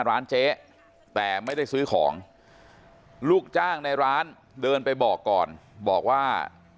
ร้านเจ๊แต่ไม่ได้ซื้อของลูกจ้างในร้านเดินไปบอกก่อนบอกว่า